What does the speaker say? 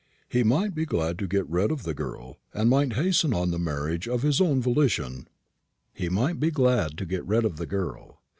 He might be glad to get rid of the girl, and might hasten on the marriage of his own volition." "He might be glad to get rid of the girl."